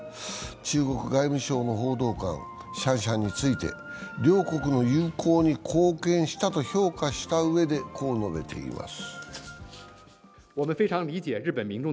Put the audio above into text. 中国外務省の報道官、シャンシャンについて、両国の友好に貢献したと評価したうえで、こう述べています。